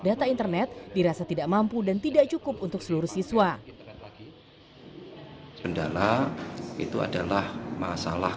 data internet dirasa tidak mampu dan tidak cukup untuk seluruh siswa kendala itu adalah masalah